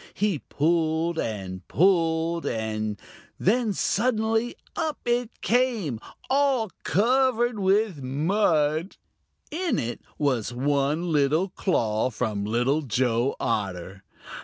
He pulled and pulled, and then suddenly up it came, all covered with mud. In it was one little claw from Little Joe Otter.